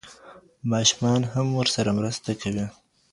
ماشومان هم ورسره مرسته کوي.